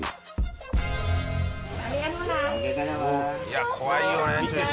いや怖いよね注射。